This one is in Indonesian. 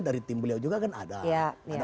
dari tim beliau juga kan ada